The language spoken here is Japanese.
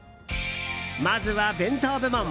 まずは弁当部門。